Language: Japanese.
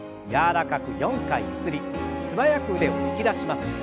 柔らかく４回ゆすり素早く腕を突き出します。